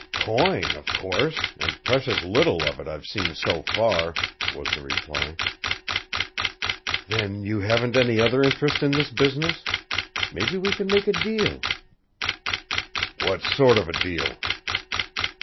"Coin, of course and precious little of it I've seen so far," was the reply. "Then you haven't any other interest in this business? Maybe we can make a deal." "What sort of a deal?"